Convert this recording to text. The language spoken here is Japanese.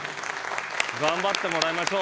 頑張ってもらいましょう。